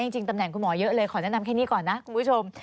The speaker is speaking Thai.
จริงตำแหน่งคุณหมอเยอะเลยขอแนะนำแค่นี้ก่อนนะคุณผู้ชม